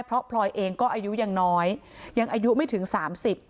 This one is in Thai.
เพราะพลอยเองก็อายุยังน้อยยังอายุไม่ถึงสามสิบ